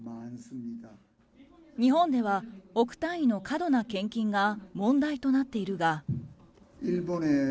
日本では、億単位の過度な献金が問題となっているが？